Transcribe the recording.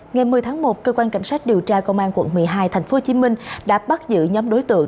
ngày một mươi tháng một cơ quan cảnh sát điều tra công an quận một mươi hai tp hcm đã bắt giữ nhóm đối tượng